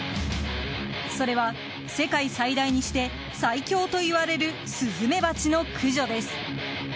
それは世界最大にして最凶といわれるスズメバチの駆除です。